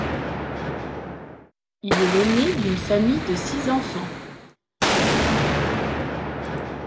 Il est l'ainé d'une famille de six enfants.